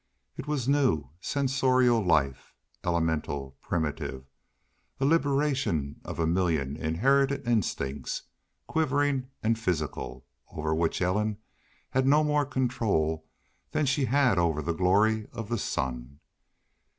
It was new, sensorial life, elemental, primitive, a liberation of a million inherited instincts, quivering and physical, over which Ellen had no more control than she had over the glory of the sun.